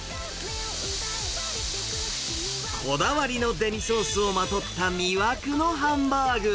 こだわりのデミソースをまとった魅惑のハンバーグ。